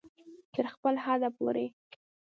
تر خپل حده پورې